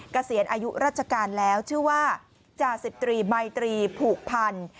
เกษียณอายุราชการแล้วชื่อว่าจาสิบตรีมัยตรีผูกพันธ์